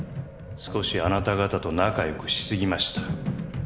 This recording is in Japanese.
少しあなた方と仲良くしすぎました。